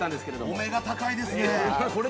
◆お目が高いですね。